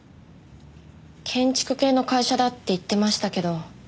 建築系の会社だって言ってましたけど。